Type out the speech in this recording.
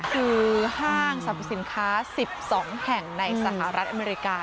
คือห้างสรรพสินค้า๑๒แห่งในสหรัฐอเมริกา